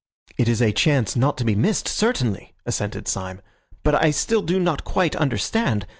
"It is a chance not to be missed, certainly," assented Syme, "but still I do not quite understand.